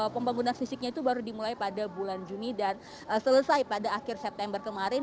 pembangunan fisiknya itu baru dimulai pada bulan juni dan selesai pada akhir september kemarin